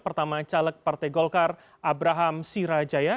pertama caleg partai golkar abraham sirajaya